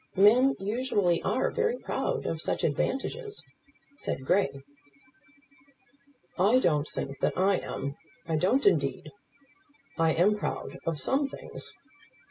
"Men usually are very proud of such advantages," said Grey. "I don't think that I am; I don't, indeed. I am proud of some things.